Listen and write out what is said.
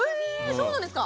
そうなんですか。